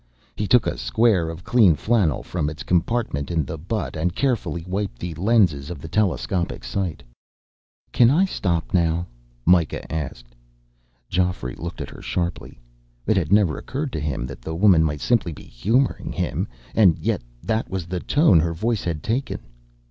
He took a square of clean flannel from its compartment in the butt and carefully wiped the lenses of the telescopic sight. "Can I stop now?" Myka asked. Geoffrey looked at her sharply. It had never occurred to him that the woman might simply be humoring him, and yet that was the tone her voice had taken.